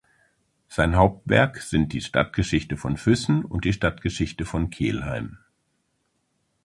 Sein Hauptwerk sind die Stadtgeschichte von Füssen und die Stadtgeschichte von Kelheim.